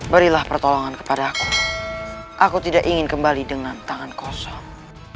berilah pertolongan kepadaku aku tidak ingin kembali dengan tangan kosong